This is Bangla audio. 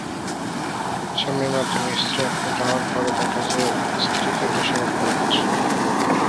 স্বামীর মাধ্যমে স্ত্রী আক্রান্ত হওয়ার পরও দেখা যায়, স্ত্রীকেই দোষারোপ করা হচ্ছে।